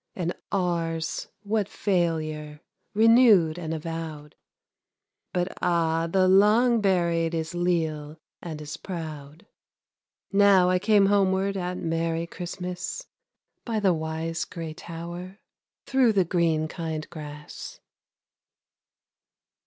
And ours, what failure Renewed and avowed! But ah, the long buried Is leal, and is proud. Now I came homeward At merry Christmas, By the wise gray tower, Through the green kind grass.